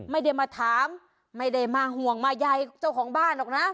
ไม่ได้มาถามไม่ได้มาห่วงมาใยเจ้าของบ้านหรอกนะ